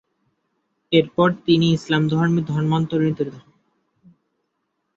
এরপর তিনি ইসলাম ধর্মে ধর্মান্তরিত হন।